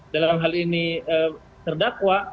dalam hal ini terdakwa